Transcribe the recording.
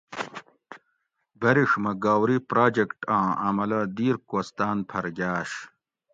بریڛ مہۤ گاؤری پراجیکٹ آں عملہ دیر کوستاۤن پھر گاۤش